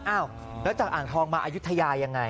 อ้าวแล้วจากอ่างทองมาอายุทยายังไง